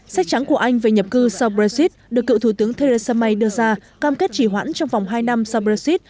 sách trắng của anh về nhập cư sau brexit được cựu thủ tướng theresa may đưa ra cam kết chỉ hoãn trong vòng hai năm sau brexit